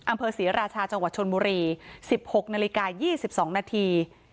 อำเภอศรีราชาจังหวัดชนมุรีสิบหกนาฬิกายี่สิบสองนาที